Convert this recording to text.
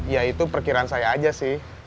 ya itu perkiraan saya aja sih